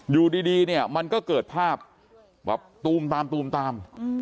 อยู่ดีเนี่ยมันก็เกิดภาพแบบตูมตามตูมตาม